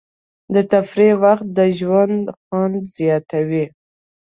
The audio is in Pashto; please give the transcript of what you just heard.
د تفریح وخت د ژوند خوند زیاتوي.